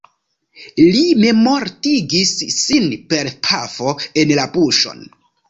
Li memmortigis sin per pafo en la buŝon.